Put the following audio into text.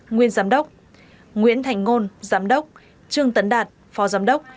nguyên giám đốc nguyễn thành ngôn giám đốc trương tấn đạt phó giám đốc